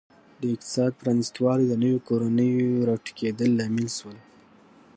د اقتصاد پرانیستوالی د نویو کورنیو راټوکېدل لامل شول.